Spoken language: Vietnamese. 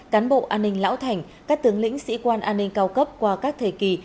cán bộ an ninh lão thành các tướng lĩnh sĩ quan an ninh cao cấp qua các thời kỳ